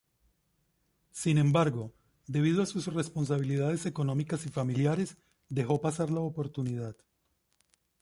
Sin embargo, debido a sus responsabilidades económicas y familiares, dejó pasar la oportunidad.